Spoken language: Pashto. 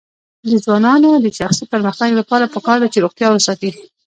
د ځوانانو د شخصي پرمختګ لپاره پکار ده چې روغتیا وساتي.